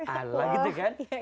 alah gitu kan